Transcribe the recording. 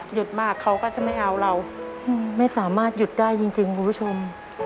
หยุดมากเขาก็จะไม่เอาเราไม่สามารถหยุดได้จริงคุณผู้ชม